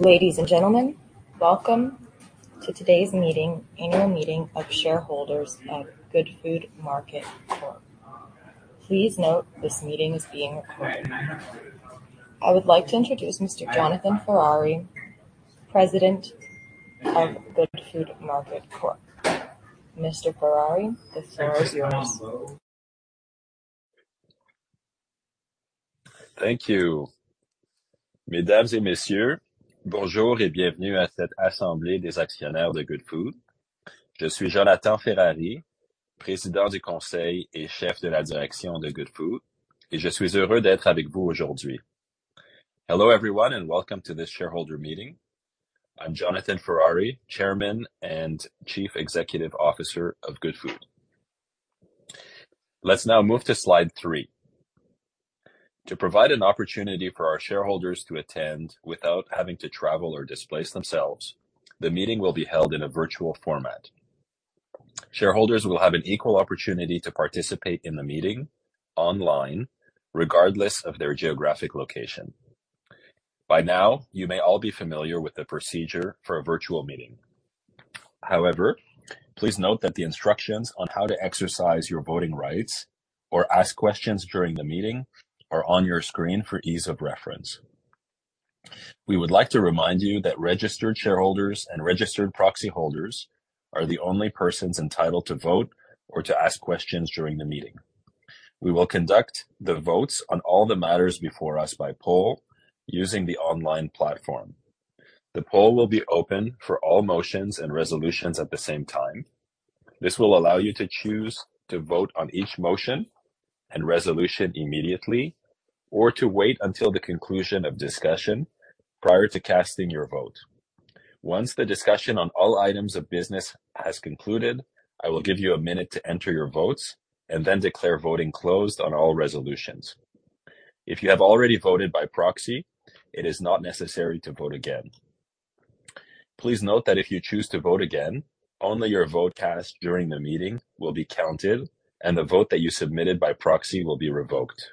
Ladies and gentlemen, welcome to today's meeting, annual meeting of shareholders of Goodfood Market Corp. Please note this meeting is being recorded. I would like to introduce Mr. Jonathan Ferrari, President of Goodfood Market Corp. Mr. Ferrari, the floor is yours. Thank you. Mesdames et Messieurs, bonjour et bienvenue à cette assemblée des actionnaires de Goodfood. Je suis Jonathan Ferrari, Président du Conseil et Chef de la Direction de Goodfood, et je suis heureux d'être avec vous aujourd'hui. Hello everyone, welcome to this shareholder meeting. I'm Jonathan Ferrari, Chairman and Chief Executive Officer of Goodfood. Let's now move to slide three. To provide an opportunity for our shareholders to attend without having to travel or displace themselves, the meeting will be held in a virtual format. Shareholders will have an equal opportunity to participate in the meeting online regardless of their geographic location. By now, you may all be familiar with the procedure for a virtual meeting. However, please note that the instructions on how to exercise your voting rights or ask questions during the meeting are on your screen for ease of reference. We would like to remind you that registered shareholders and registered proxy holders are the only persons entitled to vote or to ask questions during the meeting. We will conduct the votes on all the matters before us by poll using the online platform. The poll will be open for all motions and resolutions at the same time. This will allow you to choose to vote on each motion and resolution immediately, or to wait until the conclusion of discussion prior to casting your vote. Once the discussion on all items of business has concluded, I will give you a minute to enter your votes and then declare voting closed on all resolutions. If you have already voted by proxy, it is not necessary to vote again. Please note that if you choose to vote again, only your vote cast during the meeting will be counted and the vote that you submitted by proxy will be revoked.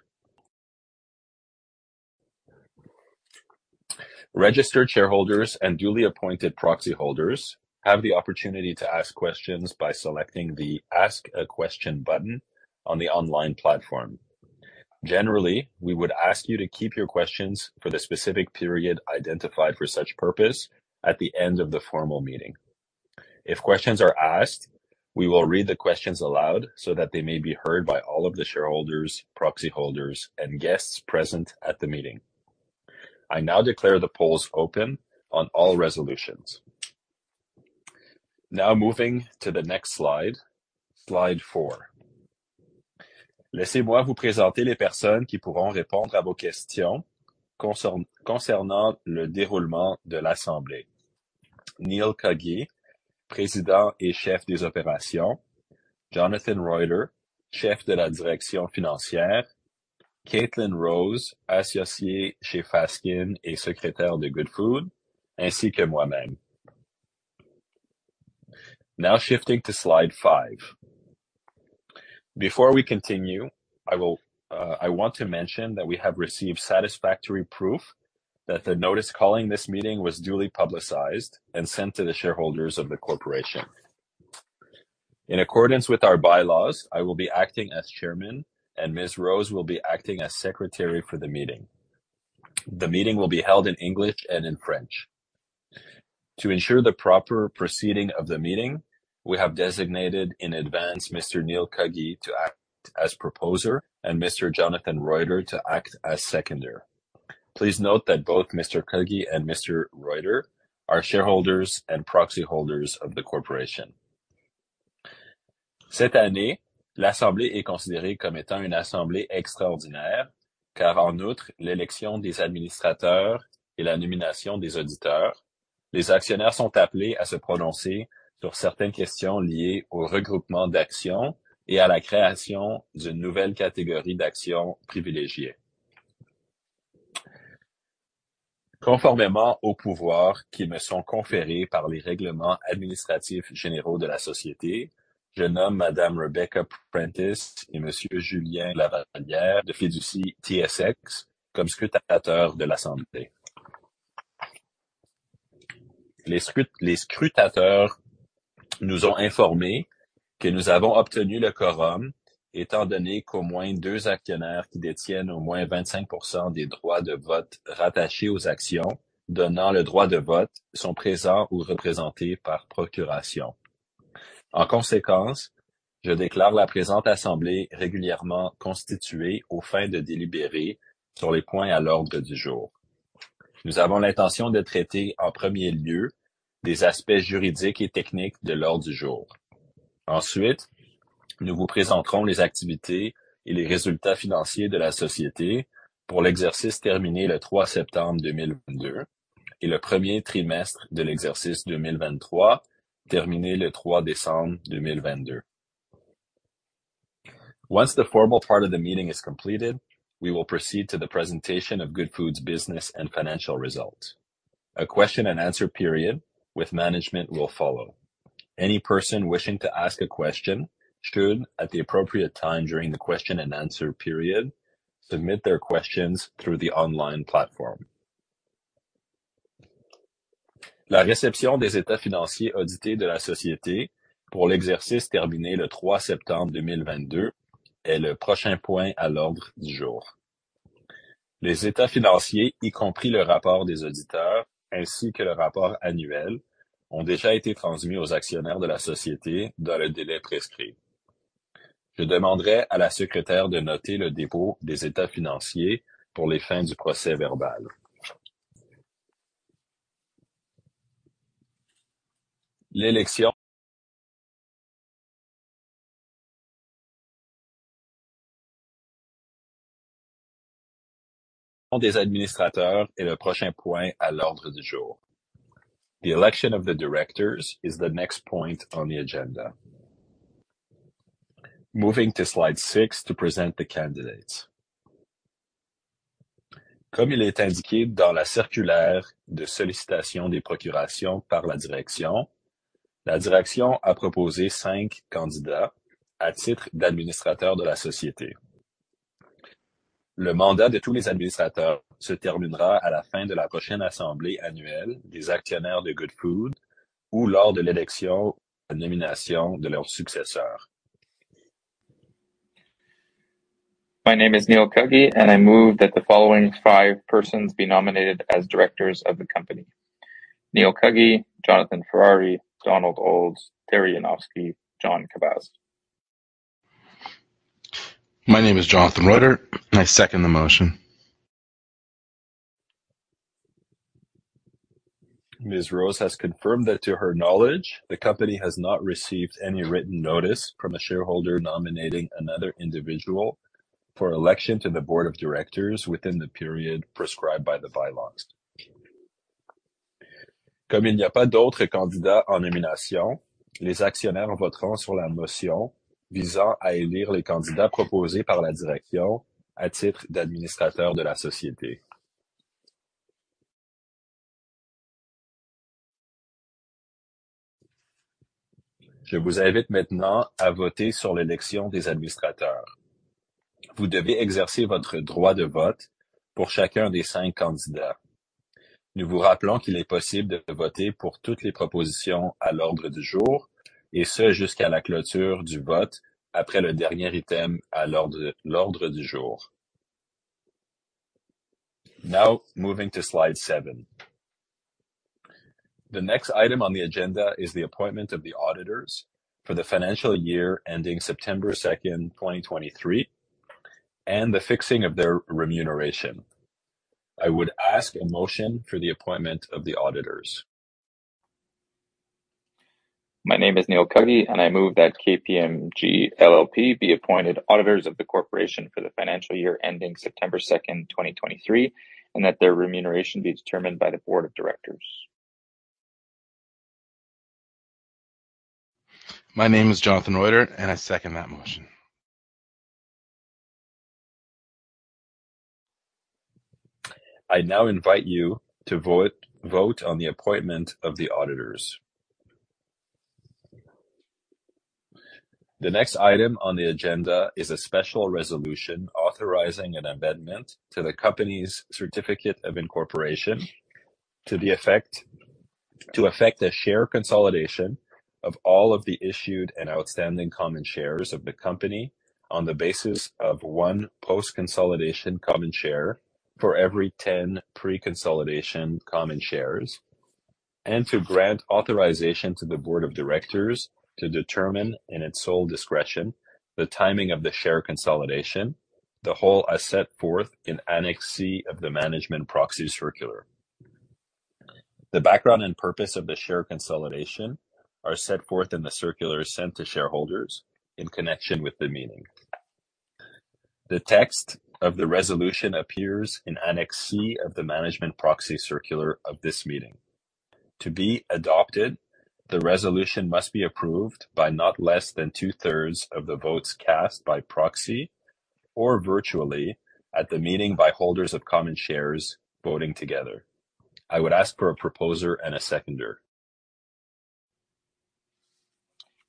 Registered shareholders and duly appointed proxy holders have the opportunity to ask questions by selecting the Ask a Question button on the online platform. Generally, we would ask you to keep your questions for the specific period identified for such purpose at the end of the formal meeting. If questions are asked, we will read the questions aloud so that they may be heard by all of the shareholders, proxy holders, and guests present at the meeting. I now declare the polls open on all resolutions. Moving to the next slide four. Laissez-moi vous présenter les personnes qui pourront répondre à vos questions concernant le déroulement de l'assemblée. Neil Cuggy, président et chef des opérations, Jonathan Roiter, chef de la direction financière, Caitlin Rose, associée chez Fasken et secrétaire de Goodfood, ainsi que moi-même. Shifting to slide five. Before we continue, I want to mention that we have received satisfactory proof that the notice calling this meeting was duly publicized and sent to the shareholders of the corporation. In accordance with our bylaws, I will be acting as Chairman, and Ms. Rose will be acting as Secretary for the meeting. The meeting will be held in English and in French. To ensure the proper proceeding of the meeting, we have designated in advance Mr. Neil Cuggy to act as Proposer and Mr. Jonathan Roiter to act as Seconder. Please note that both Mr. Cuggy and Mr. Roiter are shareholders and proxy holders of the corporation. Cette année, l'assemblée est considérée comme étant une assemblée extraordinaire, car en outre l'élection des administrateurs et la nomination des auditeurs, les actionnaires sont appelés à se prononcer sur certaines questions liées au regroupement d'actions et à la création d'une nouvelle catégorie d'actions privilégiées. Conformément aux pouvoirs qui me sont conférés par les règlements administratifs généraux de la société, je nomme Madame Rebecca Prentice et Monsieur Julien Lavallière de Fiducie TSX comme scrutateurs de l'assemblée. Les scrutateurs nous ont informés que nous avons obtenu le quorum étant donné qu'au moins deux actionnaires qui détiennent au moins 25% des droits de vote rattachés aux actions donnant le droit de vote sont présents ou représentés par procuration. En conséquence, je déclare la présente assemblée régulièrement constituée aux fins de délibérer sur les points à l'ordre du jour. Nous avons l'intention de traiter en premier lieu des aspects juridiques et techniques de l'ordre du jour. Ensuite, nous vous présenterons les activités et les résultats financiers de la société pour l'exercice terminé le 3 septembre 2022 et le premier trimestre de l'exercice 2023 terminé le 3 décembre 2022. Once the formal part of the meeting is completed, we will proceed to the presentation of Goodfood's business and financial results. A question and answer period with management will follow. Any person wishing to ask a question should, at the appropriate time during the question and answer period, submit their questions through the online platform. La réception des états financiers audités de la société pour l'exercice terminé le 3 septembre 2022 est le prochain point à l'ordre du jour. Les états financiers, y compris le rapport des auditeurs ainsi que le rapport annuel, ont déjà été transmis aux actionnaires de la société dans le délai prescrit. Je demanderais à la secrétaire de noter le dépôt des états financiers pour les fins du procès-verbal. L'élection des administrateurs est le prochain point à l'ordre du jour. The election of the directors is the next point on the agenda. Moving to slide 6 to present the candidates. Comme il est indiqué dans la circulaire de sollicitation des procurations par la direction, la direction a proposé 5 candidats à titre d'administrateurs de la société. Le mandat de tous les administrateurs se terminera à la fin de la prochaine assemblée annuelle des actionnaires de Goodfood ou lors de l'élection, la nomination de leur successeur. My name is Neil Cuggy, and I move that the following five persons be nominated as directors of the company. Neil Cuggy, Jonathan Ferrari, Donald Olds, Terry Yanofsky, John Khabbaz. My name is Jonathan Roiter. I second the motion. Ms. Rose has confirmed that to her knowledge, the company has not received any written notice from a shareholder nominating another individual for election to the board of directors within the period prescribed by the bylaws. Comme il n'y a pas d'autres candidats en nomination, les actionnaires voteront sur la motion visant à élire les candidats proposés par la direction à titre d'administrateur de la société. Je vous invite maintenant à voter sur l'élection des administrateurs. Vous devez exercer votre droit de vote pour chacun des cinq candidats. Nous vous rappelons qu'il est possible de voter pour toutes les propositions à l'ordre du jour, et ce, jusqu'à la clôture du vote après le dernier item à l'ordre du jour. Now, moving to slide seven. The next item on the agenda is the appointment of the auditors for the financial year ending September 2nd, 2023, and the fixing of their remuneration. I would ask a motion for the appointment of the auditors. My name is Neil Cuggy, and I move that KPMG LLP be appointed auditors of the corporation for the financial year ending September 2nd, 2023, and that their remuneration be determined by the board of directors. My name is Jonathan Roiter, and I second that motion. I now invite you to vote on the appointment of the auditors. The next item on the agenda is a special resolution authorizing an amendment to the company's certificate of incorporation to affect a share consolidation of all of the issued and outstanding common shares of the company on the basis of one post-consolidation common share for every 10 pre-consolidation common shares, and to grant authorization to the board of directors to determine, in its sole discretion, the timing of the share consolidation, the whole as set forth in Annex C of the management proxy circular. The background and purpose of the share consolidation are set forth in the circular sent to shareholders in connection with the meeting. The text of the resolution appears in Annex C of the management proxy circular of this meeting. To be adopted, the resolution must be approved by not less than two-thirds of the votes cast by proxy or virtually at the meeting by holders of common shares voting together. I would ask for a proposer and a seconder.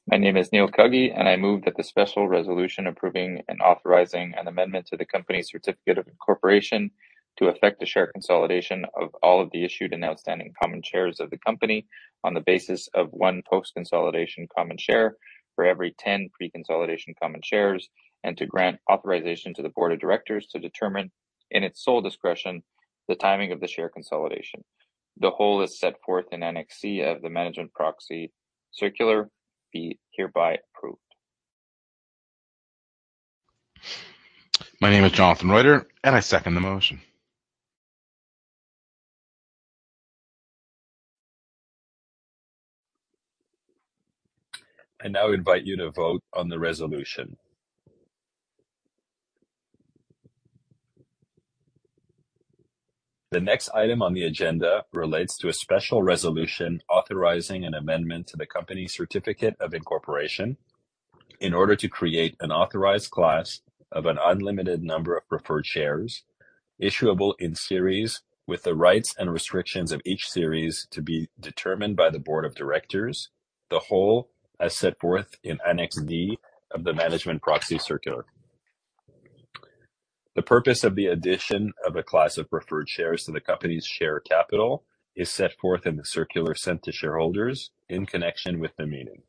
My name is Neil Cuggy, and I move that the special resolution approving and authorizing an amendment to the company's certificate of incorporation to affect the share consolidation of all of the issued and outstanding common shares of the company on the basis of one post-consolidation common share for every 10 pre-consolidation common shares, and to grant authorization to the board of directors to determine, in its sole discretion, the timing of the share consolidation. The whole is set forth in Annex C of the management proxy circular, be hereby approved. My name is Jonathan Roiter, and I second the motion. I now invite you to vote on the resolution. The next item on the agenda relates to a special resolution authorizing an amendment to the company's certificate of incorporation. In order to create an authorized class of an unlimited number of preferred shares, issuable in series with the rights and restrictions of each series to be determined by the board of directors, the whole as set forth in Annex D of the management proxy circular. The purpose of the addition of a class of preferred shares to the company's share capital is set forth in the circular sent to shareholders in connection with the meeting.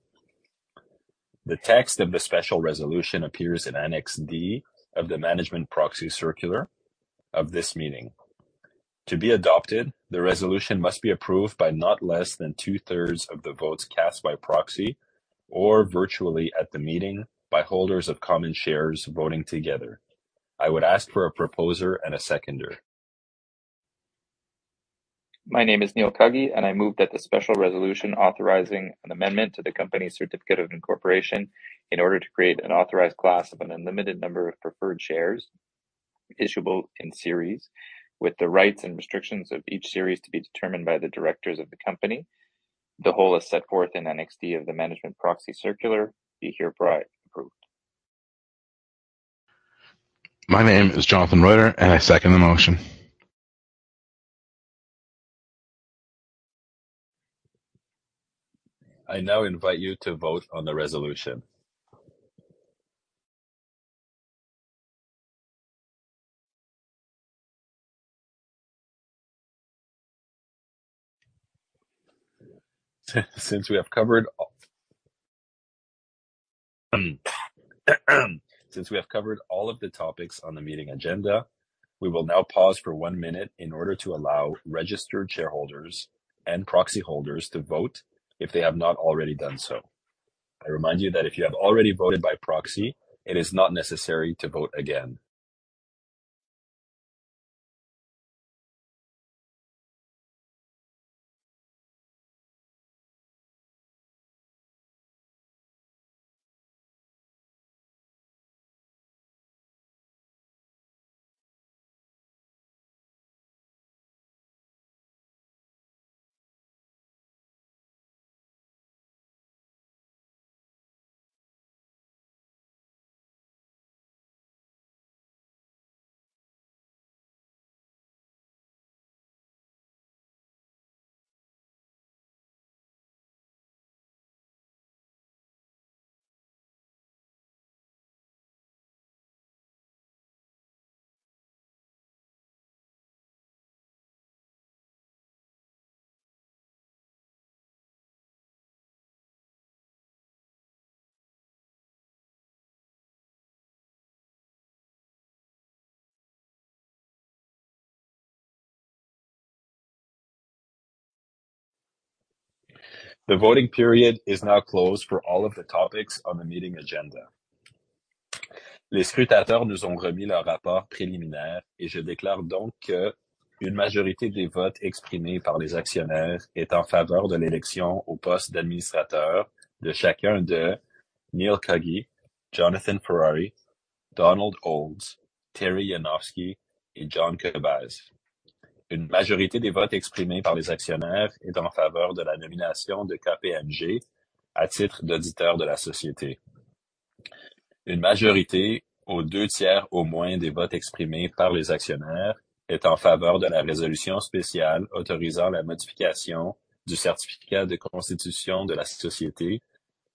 The text of the special resolution appears in Annex D of the management proxy circular of this meeting. To be adopted, the resolution must be approved by not less than 2/3 of the votes cast by proxy or virtually at the meeting by holders of common shares voting together. I would ask for a proposer and a seconder. My name is Neil Cuggy, and I move that the special resolution authorizing an amendment to the company's certificate of incorporation in order to create an authorized class of an unlimited number of preferred shares, issuable in series with the rights and restrictions of each series to be determined by the directors of the company. The whole is set forth in Annex D of the Management Proxy Circular be hereby approved. My name is Jonathan Roiter. I second the motion. I now invite you to vote on the resolution. Since we have covered all of the topics on the meeting agenda, we will now pause for one minute in order to allow registered shareholders and proxy holders to vote if they have not already done so. I remind you that if you have already voted by proxy, it is not necessary to vote again. The voting period is now closed for all of the topics on the meeting agenda. Les scrutateurs nous ont remis leur rapport préliminaire, et je déclare donc qu'une majorité des votes exprimés par les actionnaires est en faveur de l'élection au poste d'administrateur de chacun de Neil Cuggy, Jonathan Ferrari, Donald Olds, Terry Yanofsky et John Khabbaz. Une majorité des votes exprimés par les actionnaires est en faveur de la nomination de KPMG à titre d'auditeur de la société. Une majorité aux deux tiers au moins des votes exprimés par les actionnaires est en faveur de la résolution spéciale autorisant la modification du certificat de constitution de la société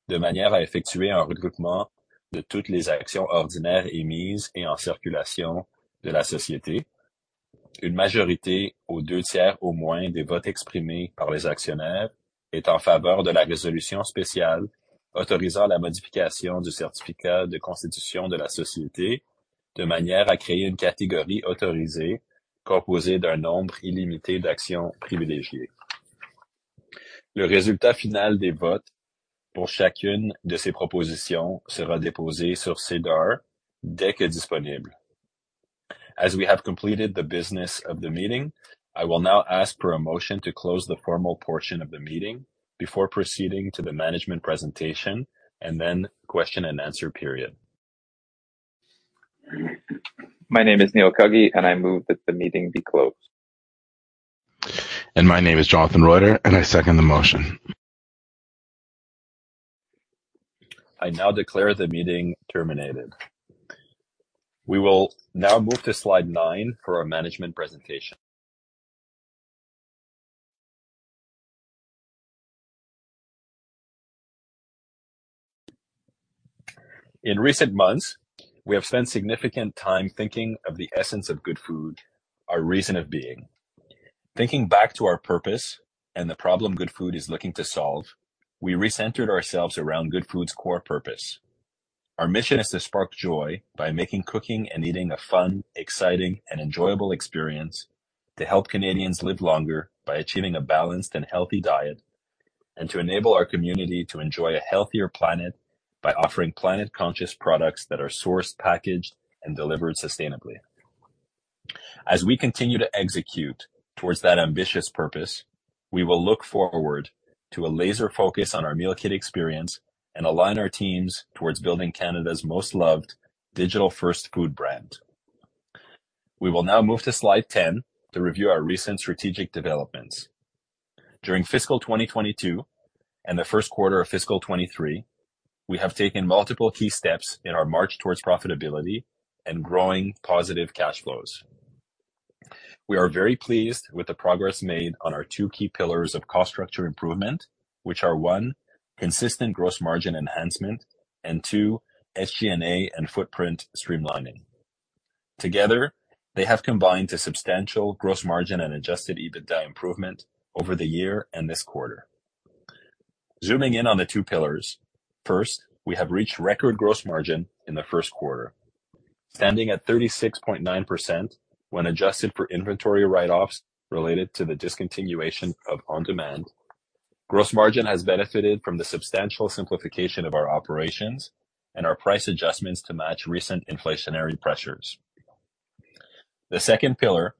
de manière à effectuer un regroupement de toutes les actions ordinaires émises et en circulation de la société. Une majorité aux deux tiers au moins des votes exprimés par les actionnaires est en faveur de la résolution spéciale autorisant la modification du certificat de constitution de la société de manière à créer une catégorie autorisée composée d'un nombre illimité d'actions privilégiées. Le résultat final des votes pour chacune de ces propositions sera déposé sur SEDAR dès que disponible. As we have completed the business of the meeting, I will now ask for a motion to close the formal portion of the meeting before proceeding to the management presentation and then question and answer period. My name is Neil Cuggy, and I move that the meeting be closed. My name is Jonathan Roiter, and I second the motion. I now declare the meeting terminated. We will now move to slide nine for our management presentation. In recent months, we have spent significant time thinking of the essence of Goodfood, our reason of being. Thinking back to our purpose and the problem Goodfood is looking to solve, we recentered ourselves around Goodfood's core purpose. Our mission is to spark joy by making, cooking, and eating a fun, exciting, and enjoyable experience to help Canadians live longer by achieving a balanced and healthy diet, and to enable our community to enjoy a healthier planet by offering planet-conscious products that are sourced, packaged, and delivered sustainably. As we continue to execute towards that ambitious purpose, we will look forward to a laser focus on our meal kit experience and align our teams towards building Canada's most loved digital-first food brand. We will now move to slide 10 to review our recent strategic developments. During fiscal 2022 and the first quarter of fiscal 2023, we have taken multiple key steps in our march towards profitability and growing positive cash flows. We are very pleased with the progress made on our two key pillars of cost structure improvement, which are, one, consistent gross margin enhancement, and two, SG&A and footprint streamlining. Together, they have combined a substantial gross margin and Adjusted EBITDA improvement over the year and this quarter. Zooming in on the two pillars. First, we have reached record gross margin in the first quarter. Standing at 36.9% when adjusted for inventory write-offs related to the discontinuation of on-demand. Gross margin has benefited from the substantial simplification of our operations and our price adjustments to match recent inflationary pressures. The second pillar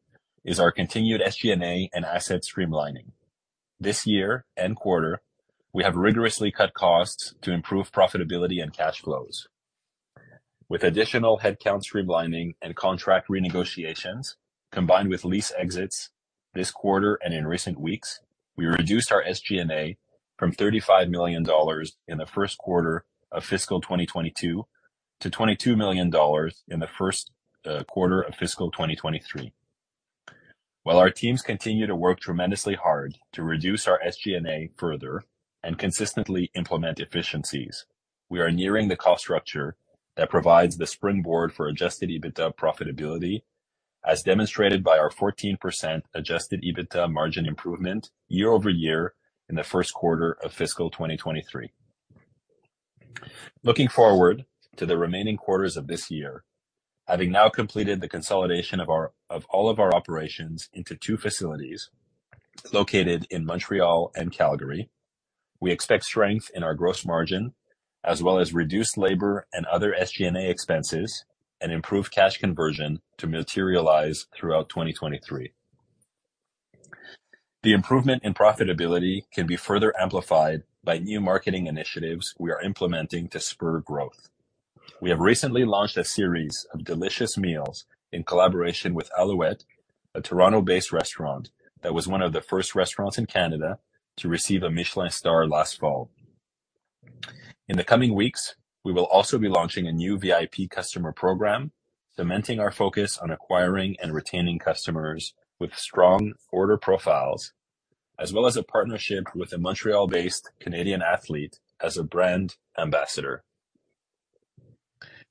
is our continued SG&A and asset streamlining. This year and quarter, we have rigorously cut costs to improve profitability and cash flows. With additional headcount streamlining and contract renegotiations, combined with lease exits this quarter and in recent weeks, we reduced our SG&A from 35 million dollars in the first quarter of fiscal 2022 to 22 million dollars in the first quarter of fiscal 2023. While our teams continue to work tremendously hard to reduce our SG&A further and consistently implement efficiencies, we are nearing the cost structure that provides the springboard for Adjusted EBITDA profitability, as demonstrated by our 14% Adjusted EBITDA margin improvement year-over-year in the first quarter of fiscal 2023. Looking forward to the remaining quarters of this year, having now completed the consolidation of all of our operations into two facilities located in Montreal and Calgary, we expect strength in our gross margin as well as reduced labor and other SG&A expenses and improved cash conversion to materialize throughout 2023. The improvement in profitability can be further amplified by new marketing initiatives we are implementing to spur growth. We have recently launched a series of delicious meals in collaboration with Aloette, a Toronto-based restaurant that was one of the first restaurants in Canada to receive a Michelin star last fall. In the coming weeks, we will also be launching a new VIP customer program, cementing our focus on acquiring and retaining customers with strong order profiles, as well as a partnership with a Montreal-based Canadian athlete as a brand ambassador.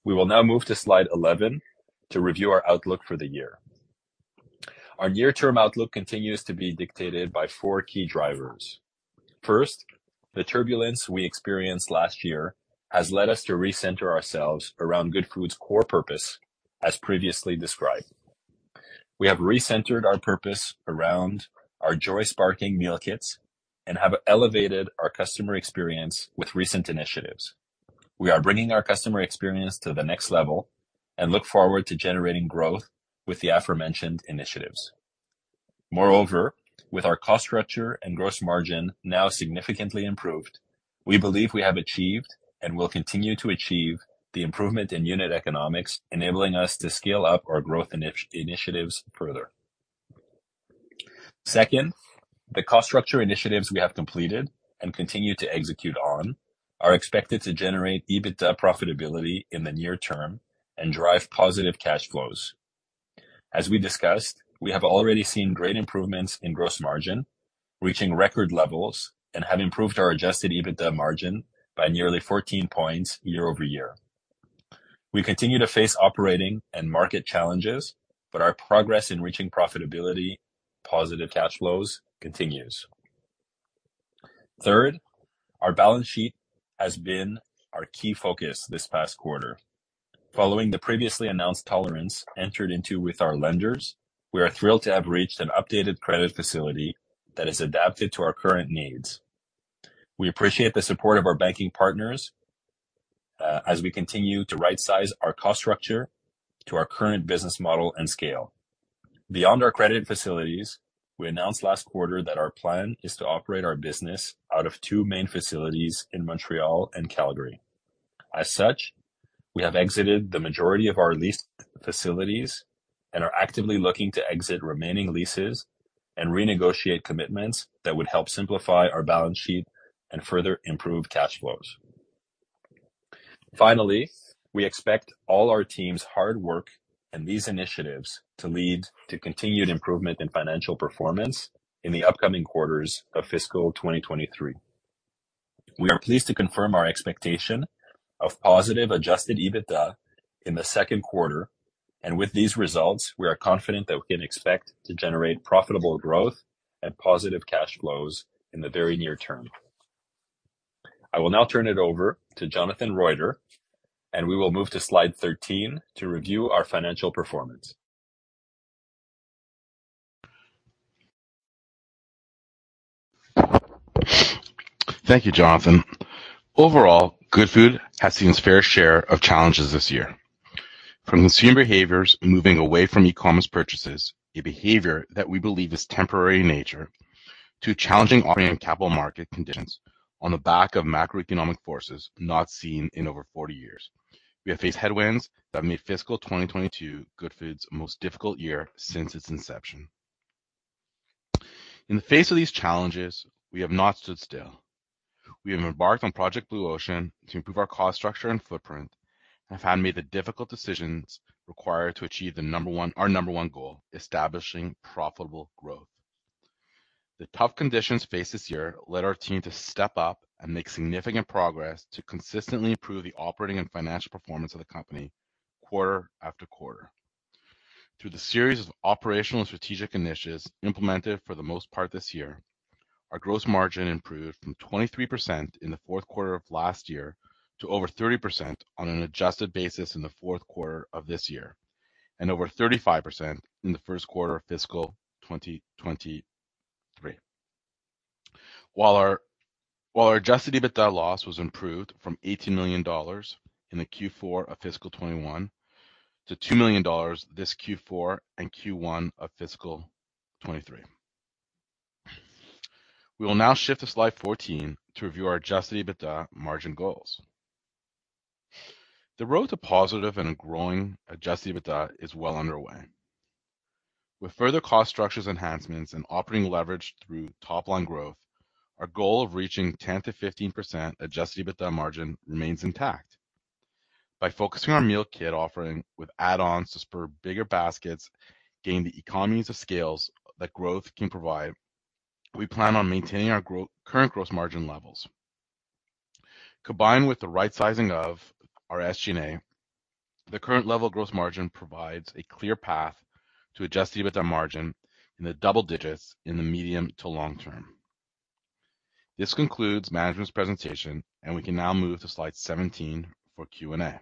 We will now move to slide 11 to review our outlook for the year. Our near-term outlook continues to be dictated by four key drivers. First, the turbulence we experienced last year has led us to recenter ourselves around Goodfood's core purpose, as previously described. We have recentered our purpose around our joy-sparking meal kits and have elevated our customer experience with recent initiatives. We are bringing our customer experience to the next level and look forward to generating growth with the aforementioned initiatives. Moreover, with our cost structure and gross margin now significantly improved, we believe we have achieved and will continue to achieve the improvement in unit economics, enabling us to scale up our growth initiatives further. Second, the cost structure initiatives we have completed and continue to execute on are expected to generate EBITDA profitability in the near term and drive positive cash flows. As we discussed, we have already seen great improvements in gross margin, reaching record levels, and have improved our Adjusted EBITDA margin by nearly 14 points year-over-year. We continue to face operating and market challenges, but our progress in reaching profitability, positive cash flows continues. Third, our balance sheet has been our key focus this past quarter. Following the previously announced tolerance entered into with our lenders, we are thrilled to have reached an updated credit facility that is adapted to our current needs. We appreciate the support of our banking partners, as we continue to right-size our cost structure to our current business model and scale. Beyond our credit facilities, we announced last quarter that our plan is to operate our business out of two main facilities in Montreal and Calgary. As such, we have exited the majority of our leased facilities and are actively looking to exit remaining leases and renegotiate commitments that would help simplify our balance sheet and further improve cash flows. We expect all our team's hard work and these initiatives to lead to continued improvement in financial performance in the upcoming quarters of fiscal 2023. We are pleased to confirm our expectation of positive Adjusted EBITDA in the second quarter, and with these results, we are confident that we can expect to generate profitable growth and positive cash flows in the very near term. I will now turn it over to Jonathan Roiter, and we will move to slide 13 to review our financial performance. Thank you, Jonathan. Overall, Goodfood has seen its fair share of challenges this year. From consumer behaviors moving away from e-commerce purchases, a behavior that we believe is temporary in nature, to challenging operating capital market conditions on the back of macroeconomic forces not seen in over 40 years. We have faced headwinds that made fiscal 2022 Goodfood's most difficult year since its inception. In the face of these challenges, we have not stood still. We have embarked on Project Blue Ocean to improve our cost structure and footprint, and have made the difficult decisions required to achieve our number one goal, establishing profitable growth. The tough conditions faced this year led our team to step up and make significant progress to consistently improve the operating and financial performance of the company quarter after quarter. Through the series of operational and strategic initiatives implemented for the most part this year, our gross margin improved from 23% in the fourth quarter of last year to over 30% on an adjusted basis in the fourth quarter of this year, and over 35% in the first quarter of fiscal 2023. While our Adjusted EBITDA loss was improved from 18 million dollars in the Q4 of fiscal 2021 to 2 million dollars this Q4 and Q1 of fiscal 2023. We will now shift to slide 14 to review our Adjusted EBITDA margin goals. The road to positive and growing Adjusted EBITDA is well underway. With further cost structures enhancements and operating leverage through top line growth, our goal of reaching 10%-15% Adjusted EBITDA margin remains intact. By focusing our meal kit offering with add-ons to spur bigger baskets, gain the economies of scale that growth can provide, we plan on maintaining our current gross margin levels. Combined with the right sizing of our SG&A, the current level gross margin provides a clear path to Adjusted EBITDA margin in the double digits in the medium to long term. This concludes management's presentation. We can now move to slide 17 for Q&A.